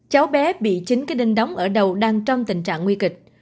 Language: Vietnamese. huyên đã bị chín cái đinh đóng ở đầu đang trong tình trạng nguy kịch